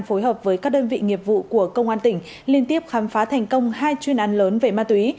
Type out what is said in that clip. phối hợp với các đơn vị nghiệp vụ của công an tỉnh liên tiếp khám phá thành công hai chuyên án lớn về ma túy